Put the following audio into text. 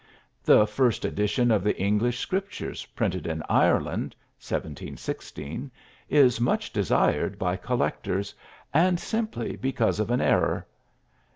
The first edition of the English Scriptures printed in Ireland (1716) is much desired by collectors, and simply because of an error.